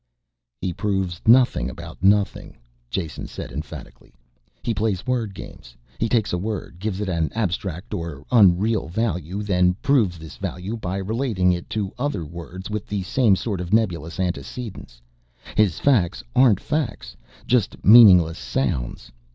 "He proves nothing about nothing," Jason said emphatically. "He plays word games. He takes a word, gives it an abstract and unreal value, then proves this value by relating it to other words with the same sort of nebulous antecedents. His facts aren't facts just meaningless sounds.